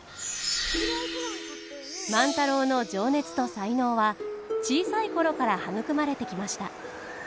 万太郎の情熱と才能は小さい頃から育まれてきました。